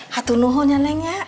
hatunuhunya neng ya